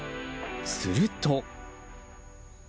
すると。